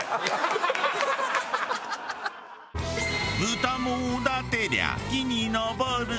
豚もおだてりゃ木に登る。